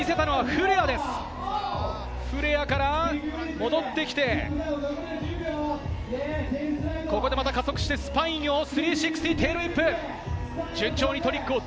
フレアから戻ってきて、ここでまた加速して、スパインを。